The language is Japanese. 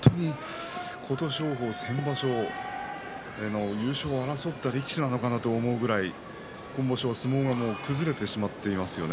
琴勝峰が先場所優勝を争った力士なのかなと思うぐらい今場所は相撲が崩れてしまってますね。